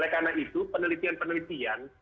oleh karena itu penelitian penelitian